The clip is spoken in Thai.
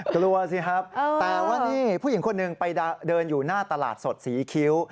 กลัวสิครับแต่ว่านี่ผู้หญิงคนหนึ่งไปเดินอยู่หน้าตลาดสดศรีคิ้ว